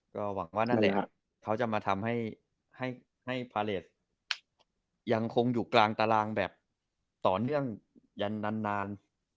ก็หวังว่านั่นแหละเขาจะมาทำให้พาเลสยังคงอยู่กลางตารางแบบต่อเนื่องยันนาน